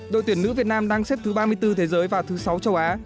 đội tuyển nữ việt nam đang xếp thứ ba mươi bốn thế giới và thứ sáu châu á